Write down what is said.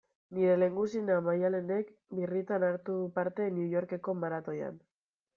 Nire lehengusina Maialenek birritan hartu du parte New Yorkeko maratoian.